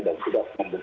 dan sudah membukanya